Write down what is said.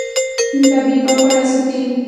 طبیعي پاکوالی وساتئ.